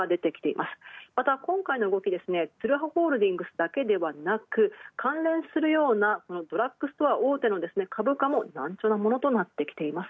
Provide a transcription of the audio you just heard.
また今回の動きはツルハホールディングスだけではなく、関連するようなドラッグストア大手の株価も軟調なものとなってきています。